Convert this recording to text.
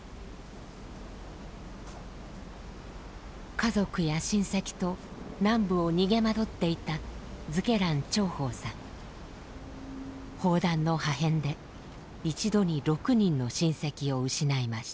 家族や親戚と南部を逃げ惑っていた砲弾の破片で一度に６人の親戚を失いました。